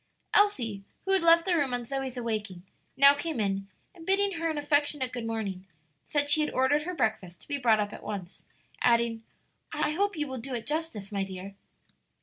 Elsie, who had left the room on Zoe's awaking, now came in and bidding her an affectionate good morning, said she had ordered her breakfast to be brought up at once, adding, "I hope you will do it justice, my dear."